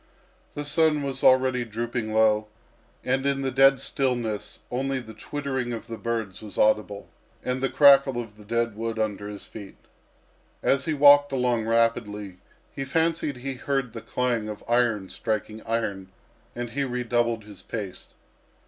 The sun was already dropping low, and in the dead stillness only the twittering of the birds was audible, and the crackle of the dead wood under his feet. As he walked along rapidly, he fancied he heard the clang of iron striking iron, and he redoubled his pace.